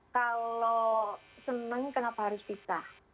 kalau senangnya kenapa harus pisah